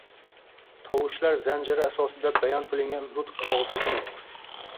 Tovushlar zanjiri asosida bayon qilingan nutq og`zaki nutq